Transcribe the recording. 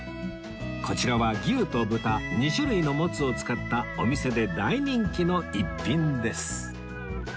こちらは牛と豚２種類のもつを使ったお店で大人気の逸品です